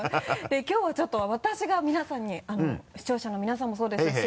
できょうはちょっと私が皆さんに視聴者の皆さんもそうですし。